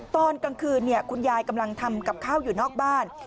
ตอนกลางคืนคุณยายกำลังทำกับข้าวอยู่นอกบ้าน